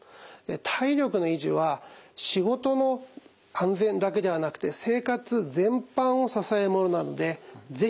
体力の維持は仕事の安全だけではなくて生活全般を支えるものなので是非意識していただきたいと思います。